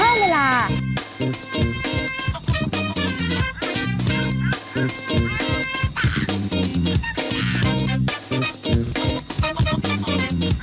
หรือว่าทัศนคติน้องอ่ะดี